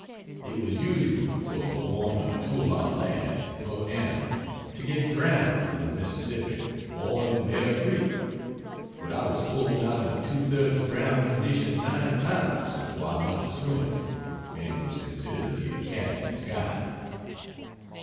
It was usual for one or two of our lads (per annum) to get drowned in the Mississippi or in Bear Creek, but I was pulled out in a 2/3 drowned condition 9 times before I learned to swim, and was considered to be a cat in disguise.